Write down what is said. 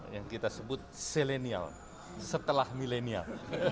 yang kita sebut selenial setelah milenial